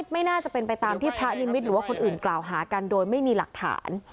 ไม่น่าจะเป็นไปตามที่พระนิมิตหรือว่าคนอื่นกล่าวหากันโดยไม่มีหลักฐาน